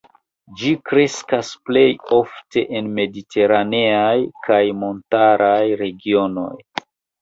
Ĝi kreskas plej ofte en mediteraneaj kaj montaraj regionoj.